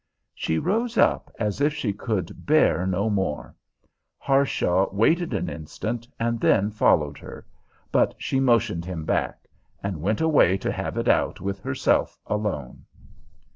She rose up, as if she could bear no more. Harshaw waited an instant, and then followed her; but she motioned him back, and went away to have it out with herself alone.